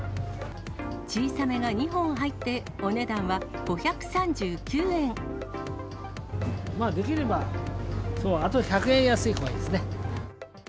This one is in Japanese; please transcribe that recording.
小さめが２本入って、お値段できれば、あと１００円安いほうがいいですね。